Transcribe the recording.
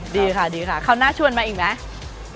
ดีค่ะดีค่ะคราวหน้าชวนมาอีกไหม